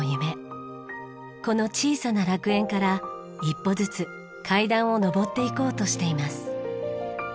この小さな楽園から一歩ずつ階段を上っていこうとしています。